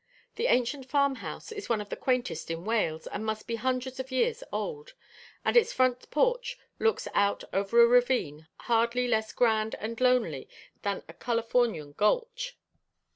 The ancient farm house is one of the quaintest in Wales, and must be hundreds of years old; and its front porch looks out over a ravine hardly less grand and lonely than a Californian gulch.